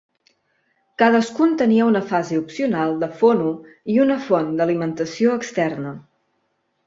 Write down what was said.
Cadascun tenia una fase opcional de fono i una font d'alimentació externa.